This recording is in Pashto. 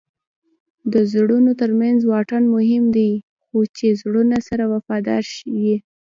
د زړونو ترمنځ واټن مهم نه دئ؛ خو چي زړونه سره وفادار يي.